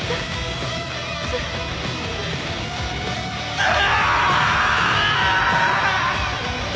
うわ‼